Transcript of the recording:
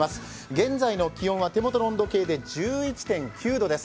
現在の気温は手元の温度計で１１．９度です。